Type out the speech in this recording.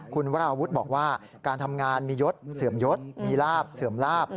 คุณวราวุฒิบอกว่าการทำงานมียศเสื่อมยศมีลาบเสื่อมลาบ